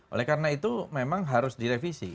oleh karena itu memang harus direvisi